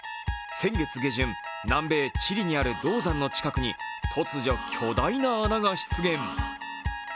先月下旬、南米チリにある銅山の近くに、突如、巨大な穴が出現。